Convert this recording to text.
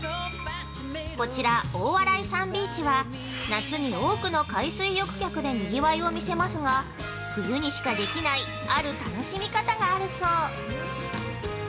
◆こちら、大洗サンビーチは夏に多くの海水浴客でにぎわいを見せますが冬にしかできないある楽しみ方があるそう。